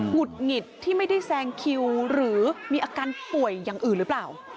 ุดหงิดที่ไม่ได้แซงคิวหรือมีอาการป่วยอย่างอื่นหรือเปล่า